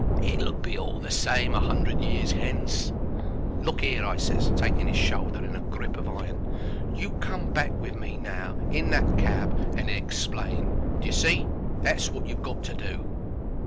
It'll be all the same a hundred years hence." "Look 'ere," I ses, taking 'is shoulder in a grip of iron. "You come back with me now in that cab and explain. D'ye see? That's wot you've got to do."